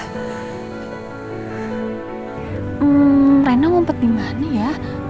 hmm rena ngumpet dimana ya